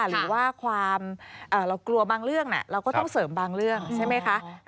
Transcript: หรือว่าความเรากลัวบางเรื่องเราก็ต้องเสริมบางเรื่องใช่ไหมคะ